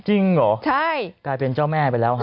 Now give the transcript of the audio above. จริงเหรอใช่กลายเป็นเจ้าแม่ไปแล้วฮะ